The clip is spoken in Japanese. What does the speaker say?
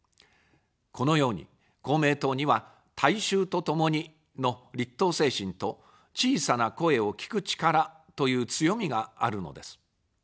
このように、公明党には、大衆とともにの立党精神と小さな声を聴く力という強みがあるのです。